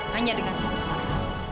hanya dengan satu sara